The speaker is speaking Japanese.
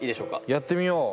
やってみよう！